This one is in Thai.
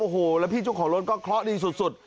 โอ้โหแล้วพี่เจ้าของรถก็เคราะห์ดีสุด